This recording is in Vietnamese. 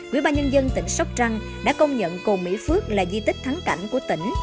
quỹ ba nhân dân tỉnh sóc trăng đã công nhận cồn mỹ phước là di tích thắng cảnh của tỉnh